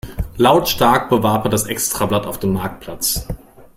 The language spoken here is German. Lautstark bewarb er das Extrablatt auf dem Marktplatz.